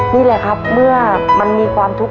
นี่แหละครับเมื่อมันมีความทุกข์